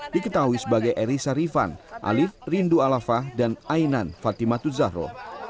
diketahui sebagai erisa rifan alif rindu alafa dan ainan fatimah tuzahro